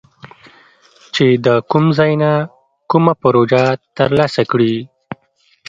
چې د کوم ځای نه کومه پروژه تر لاسه کړي